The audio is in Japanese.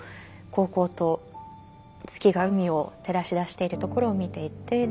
煌々と月が海を照らし出しているところを見ていて。